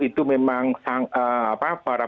itu memang para